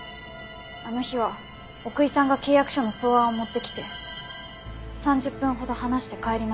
あの日は奥居さんが契約書の草案を持ってきて３０分ほど話して帰りました。